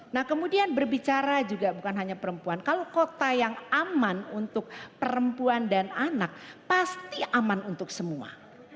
nah kemudian berbicara juga bukan hanya perempuan kalau kota yang aman untuk perempuan dan anak pasti aman untuk semua